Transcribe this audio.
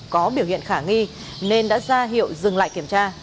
có biểu hiện khả nghi nên đã ra hiệu dừng lại kiểm tra